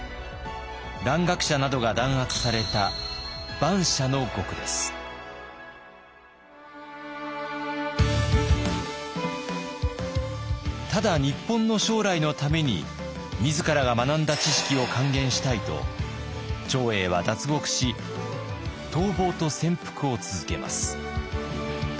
蘭学者などが弾圧されたただ日本の将来のために自らが学んだ知識を還元したいと長英は脱獄し逃亡と潜伏を続けます。